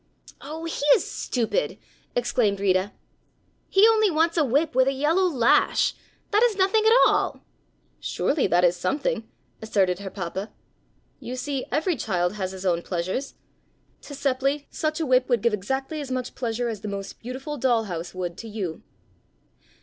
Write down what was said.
"Oh, he is stupid," exclaimed Rita. "He only wants a whip with a yellow lash! That is nothing at all." "Surely that is something," asserted her papa. "You see, every child has his own pleasures: to Seppli such a whip would give exactly as much pleasure as the most beautiful doll house would to you."